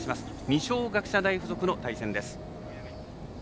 二松学舎大付属の対戦です。